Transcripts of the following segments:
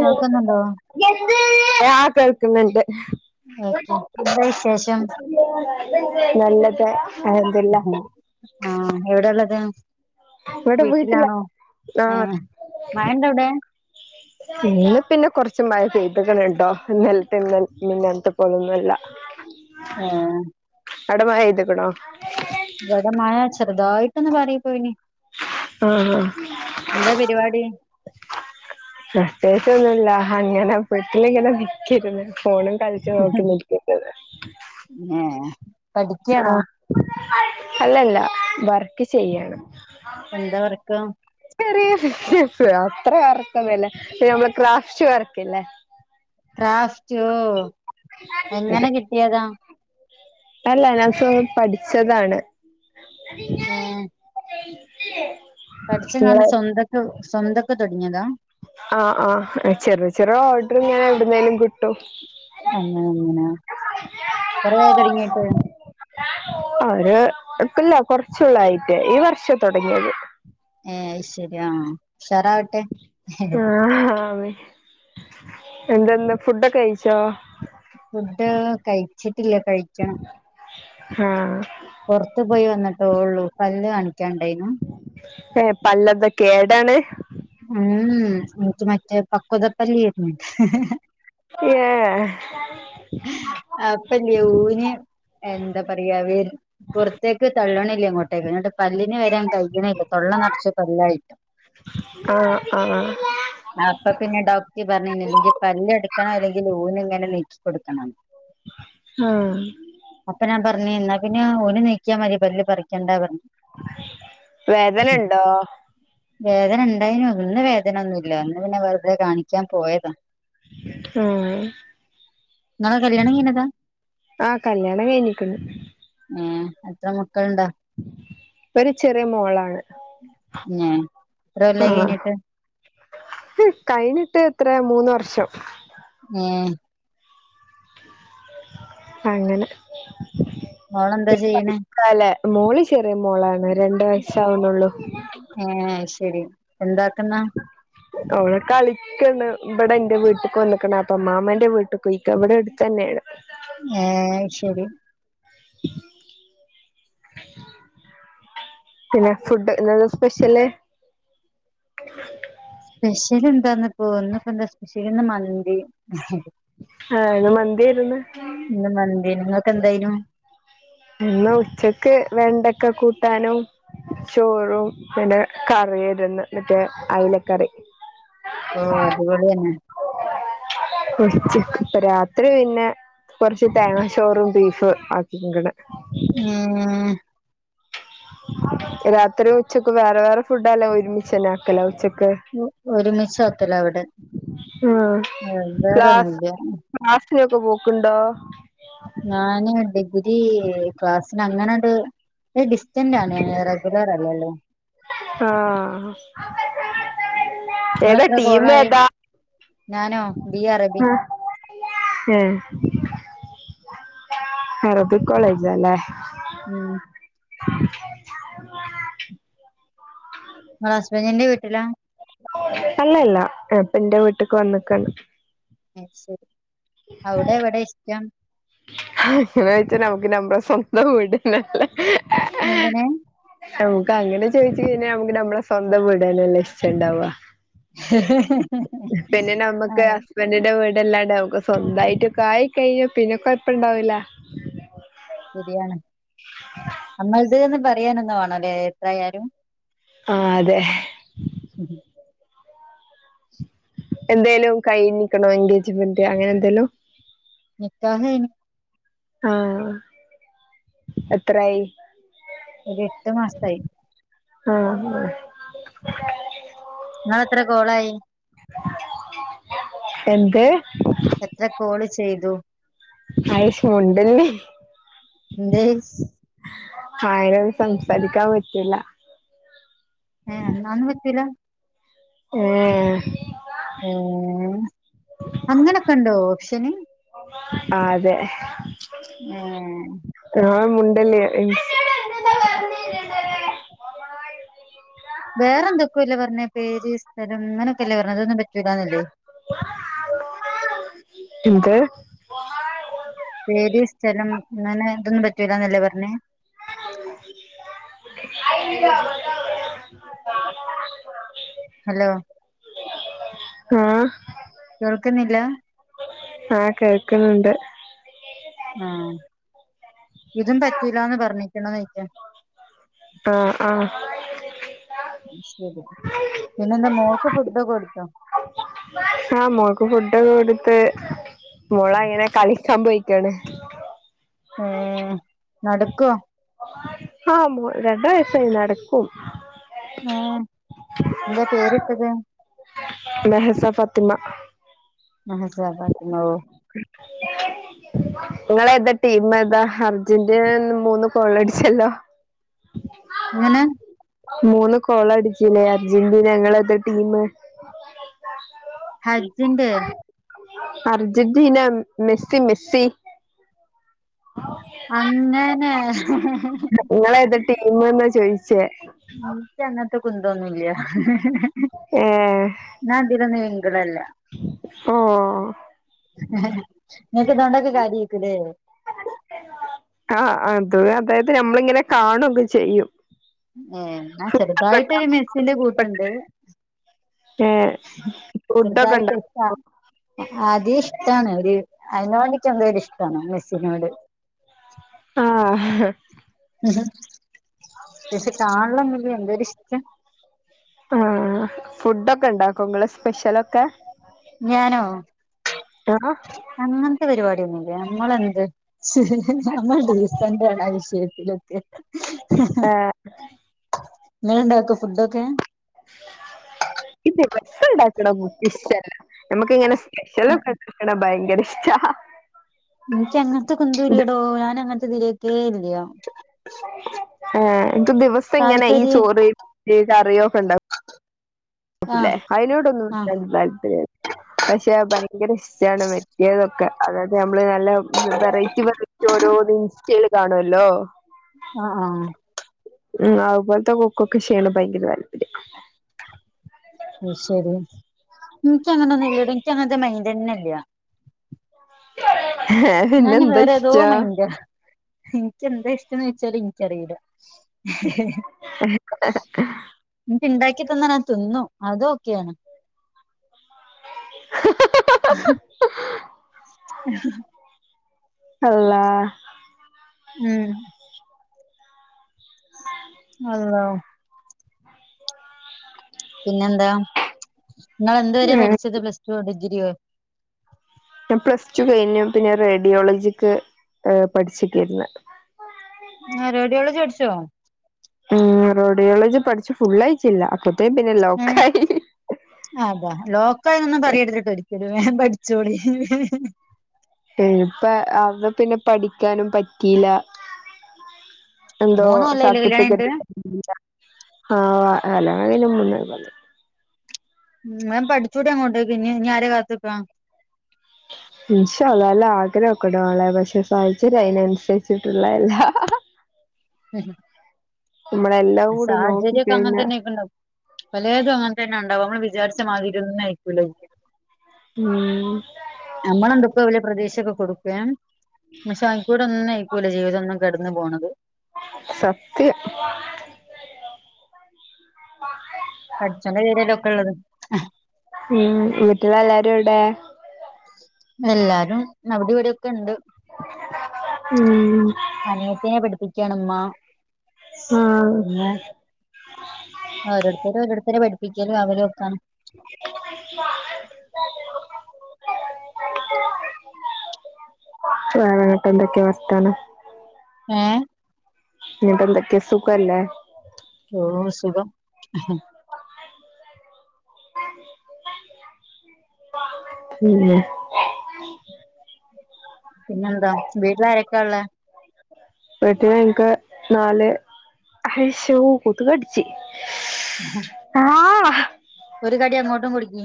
കേൾക്കുന്നുണ്ടോ ആഹ് [unintelligible] ഓക്കേ എന്താ വിശേഷം. നല്ലത് എന്തെല്ലാം. ആഹ് എവിടെയുള്ളത്. ഇവിടെ വീട്ടിലാ ആഹ്. ഏഹ് മഴണ്ടോ അവിടെ ഇന്ന് പിന്നെ കൊറച്ച് മഴ പെയ്തുക്കേണ് കേട്ടോ ഇന്നലത്തെയും മിനിഞ്ഞാന്നത്തെയും. ഓന് ഒന്നുമല്ല. ആഹ് അവിടെ മഴ പെയ്തിക്കണോ? ഇവിടെ മഴ ചെറുതായിട്ടൊന്ന് പറിപ്പോയിന്. ആഹ് ആഹ് പരിപാടി കഷ്ടായി. ഇക്ക ഒന്നുമില്ല അങ്ങനെ വീട്ടില് ഇങ്ങനെ നിക്കായിരുന്നു. ഫോണും കളിച്ച് നോക്കി നിൽപ്പുണ്ട് ഇവിടെ. ഏഹ് പഠിക്കാണോ? അല്ലല്ല വർക്ക് ചെയ്യണം എന്താ വർക്ക് ചെറിയ. അത്ര വർക്ക് ഒന്നുമില്ല നമ്മള് ക്രാഫ്റ്റ് ക്രാഫ്റ്റ് വർക്ക് ഇല്ലേ. ക്രാഫ്റ്റോ അതെ എങ്ങനെ കിട്ടിയതാ. അല്ല ഞാൻ ഇപ്പൊ പഠിച്ചതാണ്. ആഹ് പഠിച്ചേങ്ങാണ്ട് നിങ്ങളെ സ്വന്തക്കെ സ്വന്തക്കെ തുടങ്ങിയതാ. ആഹ് ആഹ് ചെറു ചെറു ഓർഡർ ഇങ്ങനെ എവിടുന്നേലും കിട്ടും. അങ്ങനെ അങ്ങനെ കൊറായോ തുടങ്ങിയിട്ട്? ഒരു ഇല്ല കുറച്ചു കൊല്ലമായിട്ട് ഈ വർഷവാ തുടങ്ങിയത്. ഏഹ് ശരിയാ ഉഷാറാവട്ടെ. എന്തെന്ത് ഫുഡൊക്കെ കഴിച്ചോ? ഫുഡ് കഴിച്ചിട്ടില്ല കഴിക്കണം ആഹ് പോറത്തു പോയി വന്നട്ടോള്ളു പല്ല് കാണിക്കനുണ്ടേനു ഏഹ് പല്ലെന്താ കേടാണ് ഉം നിക്ക് മറ്റേ പക്കോദപ്പല് ഏഹ് അപ്പല്ലേ ഊന് എന്താ പറയാ വേര് പൊറെത്തേക്ക് തള്ളണില്ല അങ്ങോ ട്ടെ അങ്ങട്ട് പല്ലിന് വരാൻ കഴിയണില്ല തൊള്ള നെറച്ച് പല്ലായിട്ടും ആഹ് ആഹ് അപ്പ പിന്നെ ഡോക്ടർ പറഞ്ഞിന്നണ്ടേങ്കി പല്ല് എടുക്കണോ അല്ലെങ്കിൽ ഊനിങ്ങനെ നിക്കും എടുക്കാണോന്ന് ആഹ് റഞ്ഞ് എന്നാ പിന്നെ ആ ഊന് നിക്ക്യ മതി പല്ല് പറിക്കണ്ടാ പറഞ്ഞു വേദന ഒണ്ടോ വേദന ണ്ടായിനു ഇന്ന് വേദന ഒന്നുല്ല ഇന്ന് പിന്നെ വെറുതെ കാണിക്കാൻ പോയതാ ആഹ് നിങ്ങളെ കല്യാണം കഴിഞ്ഞതാ ആഹ് കല്യാണം കഴിഞ്ഞിക്കണ് ക്കൾണ്ടാ ഒരു ചെറിയ മോളാണ് ഏഹ് എത്ര കൊല്ലായി ആഹ് കഴിഞ്ഞിട്ട് കഴിഞ്ഞിട്ട് എത്രയാ മൂന്ന് വർഷം ഉം അങ്ങനെ മോളന്താ ചെയ്യണേ ക്കാലെ മോള് ചെറിയ മോളാണ് രണ്ട് വയസെ ആവണുള്ളു ശെരി എന്താക്കുന്നാ അവള് കളിക്കണ് ഇബ്ടെ എന്റെ വീട്ടിക്ക് വന്നക്കണപ്പം അമ്മാമാന്റെ വീട്ടകുയിക്ക ഇവിടെ എടുത്ത് തന്നെയാണ് ആഹ് ശെരി പിന്നെ ഫുഡ് ഇന്നെന്ത സ്പെഷ്യല് [inaudible] സ്പെഷ്യല് എന്താന്ന്പ്പോ ഇന്നിപ്പെ ന്താ സ്പെഷ്യലിന്ന് മന്തി ആഹ് ഇന്ന് മന്തിയെ ഇന്ന് മന്തിയേനു ഇങ്ങക്ക് എന്തേയ്‌നു ഇന്ന് ഉച്ചക്ക് വെണ്ടെക്ക കൂട്ടാനും ചോറും പിന്നെ കറി ഇര്ന്ന് മറ്റെ അയ്ലക്കറി ഓഹ് അടിപൊള്യന്നെ ചിക്ക് ഇപ്പ രാത്രി പിന്നെ കൊറ്ച്ച് തേങ്ങാചോറും ബീഫും ആക്കിക്ക്ണ് ഉം രാത്രി ഉച്ചക്ക് വേറെ വേറെ ഫുഡാല്ല ഒരുമിച്ചെന്നെ ആക്കലാ ഉച്ചക്ക് ഒരുമിച്ചാക്കല ഇവടെ ആഹ് ഏഹ് വേറൊന്നുല്യ ഇപ്പൊ പോക്ക് ഇണ്ടോ ഞാന് ഡിഗ്രി ക്ലാസ്സിന് അങ്ങനാണ്ട് ഡിസ്റ്റൻറ് ആണ് ഞാൻ റെഗുലർ അല്ലല്ലോ ആഹ് നിങ്ങള് ഏതാ എത്ര കോളായി ടീമേതാ ഞാനോ ബി അറബി ആഹ് ഏഹ് അറബി കോളേജാല്ലേ ഉം [inaudible] ഇങ്ങള് ഹസ്ബൻറിന്റെ വീട്ടിലാ അല്ലല്ലഅ ഇപ്പന്റെ വീട്ട്ക്ക് വന്നെക്കാണ് അഹ് ശെരി ഔടെ ഇ ബെടെ ഇഷ്ടം [unintelligible] എങ്ങാനോയ്ച്ചാല് നമുക്ക് നമ്മടെ സ്വന്തം വീട്ന്നല്ലെ എങ്ങനെ നമുക്ക് അങ്ങനെ ചോദിച്ച് കഴിഞ്ഞാ നമുക്ക് നമ്മളെ സ്വന്തം വീടന്നെല്ലേ ഇഷ്ടണ്ടാവാ പിന്നെ ആ നമ്മുക്ക് ഹസ്ബന്റിന്റെ വീട് ടല്ലാണ്ടെ നമുക്ക് സ്വന്തായിട്ടൊക്കായി കഴിഞ്ഞാ പിന്നൊകൊയ്പ്പണ്ടാവൂലാ ശരിയാണ് നമ്മൾത് ന്ന് പറയാനൊന്നു വേണല്ലേ എത്രായാലും ആഹ് അതെ എന്തേലും കഴിഞ്ഞ്ക്ക്ണോ എൻഗേജ്മെന്റ് അങ്ങനെ എന്തേലും നിക്കാഹ് കഴിഞ്ഞു ആഹ് എത്രായി ഒരു എട്ട് മാസ്തായി ആഹാ ഹാ നിങ്ങളെത്ര കോളായി എന്ത്‌ എത്ര കോള് ചെയ്തു ആയ്ഷ് മുണ്ടല്ലേ ന്തേയ്ച് ആയ്നൊന്നും സംസാരിക്കാൻ പറ്റൂല്ലാ ഏ എന്നാന്നും പറ്റൂലാ ഏഏ ഏ അങ്ങനൊക്കെണ്ടോ ഓപ്ഷന് ആഹ് അതെ ഏഹ് ആഹ് മുണ്ടല്ലേ ഇൻ വേറെ എന്തൊക്കോ അല്ലേ പർഞ്ഞ് പേര് സ്ഥലം അങ്ങനൊക്കല്ലേ പർഞ്ഞത് അതൊന്നും പറ്റി ചോയ്ച്ചാ നല്ലത് എന്ത്? പേര് സ്ഥലം അങ്ങനെ ഇതൊന്നും പറ്റൂലാന്നല്ലേ പറഞ്ഞേ ഹലോ ആഹ് കേൾക്കുന്നില്ല ആഹ് കേൾക്കുന്നുണ്ട് ആഹ് ഇതും പറ്റൂലാന്ന് പറഞ്ഞിക്ക്ണോ ചോയിക്കാ ആഹ് ആഹ് ശരി പിന്നെ എന്താ മോൾക്ക് ഫുഡൊക്കെ കൊടുത്തോ? ആഹ് മോൾക്ക് ഫുഡൊക്കെ ത്ത് മോളങ്ങനെ കളിക്കാൻ പോയിക്കാണ് ഏഹ് നടക്കോ? ആഹ് മോ രണ്ട് വയസ്സായി നടക്കും ഏഹ് എന്താ പേരിട്ടത്? മെഹസ ഫാത്തിമ മെഹസാ ഫാത്തിമ ഓഹ് ഇങ്ങളേതാ ടീമേതാ അർജന്റീന ഇന്ന് മൂന്ന് ഗോളടിച്ചല്ലോ എങ്ങനെ? മൂന്ന് ഗോളടിച്ചില്ലേ അർജന്റീന ഇങ്ങളേതാ ടീമ്? ഹജ്ജിന്റെ അർജന്റീന മെസ്സി മെസ്സി അങ്ങനെ ഇങ്ങളേതാ ടീമ്ന്നാ ചോയി [unintelligible] കുന്തോന്നും ഇല്ല ഏഹ് ഞാൻ ഇതിലൊന്നും ലിങ്ക്ടല്ല ഓഹ് ങ്ങക്ക് ഇതോണ്ടൊക്കെ കാര്യായ്കുലേ തുഴ അതായത് നമ്മളിങ്ങനെ കാണൊക്കെ ചെയ്യും. ഏഹ് ന്നാ ഫുഡൊക്കെ ചെറുതായിട്ടൊരു മെസ്സിന്റെ കൂട്ടുണ്ട്. ഏഹ് ഫുഡൊക്കെ ചെറുതായിട്ട് ഇഷ്ട ഉണ്ടാക്കോ ആദ്യം ഇഷ്ടാണ് ഒരു അയ്നോടിച്ചോ എന്തോര് ഇഷ്ടണ് മെസ്സിനോട്. ആഹ് പക്ഷെ കാണണംന്നില്ല എന്തോ ഇഷ്ടം. ആഹ് ഫുഡൊക്കെ ഉണ്ടാക്കോ ങ്ങള് ഞാനോ ആഹ് അങ്ങൻത്തെ പരിപാടി ഒന്നുല്ല. നമ്മള എന്ത്? നമ്മ ടിസൻ്റാണ് ആഹ് വിഷയത്തിലൊക്കെ. ഏഹ് ങ്ങള് ണ്ടാക്കോ ഫുഡൊക്കെ. ക്ക് ദിവസണ്ടാക്ണ ഫുഡ് ഇഷ്ടല്ല. നമക്ക് ഇങ്ങനെ സ്പെഷ്യലൊക്കെണ്ടാക്ണ ഭയങ്കര ഇഷ്ടാ ഇൻക്ക് അങ്ങൻ ത്തെ കുന്തല്ല്യടോ ഞാന് അങ്ങൻത്തെ ഇതിലേക്കേ ഇല്യാ ആഹ് ഇൻക്ക് ദിവസം ഇങ്ങനെ ഈ താല്പര്യ ചോറ് കറിയോ ഒക്കെ ഇണ്ടാവും. ഒപുല്ലേ ആഹ് അയ്നോടൊന്നും ആഹ് താല്പര്യല്ല പക്ഷെ ഭയ ങ്കര ഇഷ്ടമാണ് വറ്റിയതൊക്കെ അതായത് നമ്മള് നല്ല വെറൈറ്റി വെറൈറ്റി ചോ ലോഡിങ് ഇൻസ്റ്റയിൽ കാണുല്ലോ. അഹ് ആഹ് ഉം അഉപോൽത്തെ കുക്കൊക്കെ ക്ഷയണം ഭയങ്കര താല്പര്യയ അഹ് ശെരി ഇൻക്കങ്ങനൊന്നും ഇല്ലട ഇൻക്കങ്ങൻത്തെ മെയിൻ്റന്നെയില്ല. പിന്നെ നാന് എന്താ വേറെ ഏതോ ഇഷ്ടാ മൈൻ്റാ. ഇൻക്ക് എന്താ ഇഷ്ടംന്നോയ്ച്ചാല് ഇൻക്കറിയില്ല. ഇൻക്ക് ഇണ്ടാക്കി തന്നാ ഞാൻ തിന്നു അതു ഓക്കെയാണ്. ഹ ഹ [inaudible] അള്ളാഹ് ഉം അള്ളാ പിന്നെന്താ ഇങ്ങളെന്ത് വരേ പഠിച്ചത് പ്ലസ്റ്റൊ. ഡിഗ്രിയോ? ഞാൻ പ്ലസ് ടു കെഴിഞ്ഞു. പിന്നെ റേഡിയോളജിക്ക് പഠിച്ച്ക്കേരുന്നു. ഏഹ് റേഡിയോളജി പടിച്ചോ. ഉം റോഡിയോളജി പഠിച്ചു ഫുള്ളായിച്ചില്ല അപ്പൊ ഏഹ് ആതാ ലോക്കായിയെന്നോന്നും പറയരുത് പേടി രി വേം പഠിച്ചോളീ [inaudible] ഹ് ഇപ്പ അവ്ടെ പിന്നെ പഠിക്കാനും പറ്റിയില്ല. എന്തോ? മൂന്ന് കൊല്ലം ആയില്ലേ കല്യാണം സറ്ട്ടിപ്പികെറ്റ് കഴിഞ്ഞിട്ട് ആഹ് അല അതിന് മുന്നേ വന്ന് ഉം വേം പഠിച്ചൂടി അങ്ങോട്ടേക്ക് ഇനി ഞ് ആരെ കാത്ത്ക്കാ ഇൻഷ ഹള്ളാ അലാ ആഗ്രഹൊക്കെണ്ട് വാളെ പക്ഷെ സാഹചര്യം അയ്നൻസരിച്ചിട്ടുള്ളല്ലാ ഹ ഹ നമ്മളെല്ലാം കൂടി സാഹചര്യക്കെ അങ്ങെൻ നോക്കിക്കഴിഞ്ഞ തന്നെ ആയ്ക്ക്ണ്. പലേതും അങ്ങൻ തന്നെയ മ്മൾ വിചാരിച്ച മാതിരി ഒന്നും ആയിക്കൂല ഉം അമ്മളെ എന്തൊക്കെയോ വല്യ പ്രതീശയൊക്കെ കൊടുക്കേ പക്ഷെ ആയി കൂടെ ഒന്നും ആയിക്കൂല ജീവിതം ഒന്നും കടന്നു പോണത്. സത്യം പടച്ചോന്റെ പേരിലൊക്കെ ഉള്ളത് ഉം വീട്ടിലെ എല്ലാരും ഔടെ? മെല്ലാരും ന്നവിടെവിടെക്കെ ഇണ്ട്. ഉം അനിയത്തിനെ പഠിപ്പിക്ക്യാണ് ഇമ്മാ ആഹ് പിന്നെ ഓരോര്ത്തര് ഓരോര്ത്തരെ പഠ് പ്പിക്ക്യലും ആവലൊക്കാണ് വേറെയൊക്കെ എന്തൊക്ക്യാ വസ്ത്താനം ഏഹ് ന്ന്ട്ടെന്തെക്കെ സുഖല്ലേ? ഓഹ് സുഖം [unintelligible] പിന്നെന്താ വീട്ടില് ആരൊക്കള്ളേ? വീട്ട്ല് ഇൻക്ക് ന്നാല് ഹൈശോ കൊതുകട്ച്ച് ഒരു കടി അങ്ങോട്ടും കൊട്ക്കി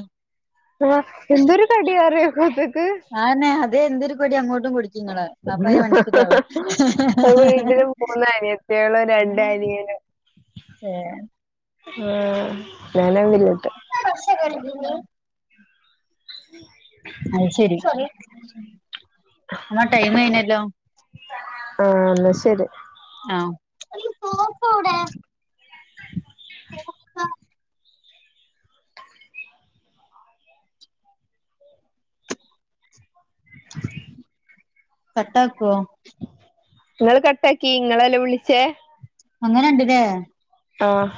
ആഹ്‌ എന്തൊരു കടിയാറിയോ കൊത്ക് ആന്നെ അതേ എന്തൊരു കടി അങ്ങോട്ടും കൊടുക്കി ഇങ്ങള് അപ്പ അയിന് മനസ്സിലാവും വീട്ടില് മൂന്ന് അനിയത്ത്യള് രണ്ട് അ നിയെന് ഏഹ് ആഹ് ഞാനാ [unintelligible] അയ് ശരി എന്നാ ടൈമയിഞ്ഞല്ലോ ആ എന്നാ ശരി ആഹ് കട്ട്‌ ആക്കുവോ? ഇങ്ങള് കട്ടാക്കി ഇങ്ങളല്ലെ വിളിച്ചേ. അങ്ങനെ ഉണ്ടാല്ലേ? ആഹ്